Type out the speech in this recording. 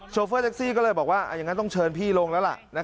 โฟเฟอร์แท็กซี่ก็เลยบอกว่าอย่างนั้นต้องเชิญพี่ลงแล้วล่ะ